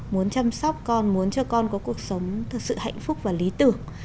muốn chăm sóc con muốn cho con có cuộc sống thực sự hạnh phúc và lý tưởng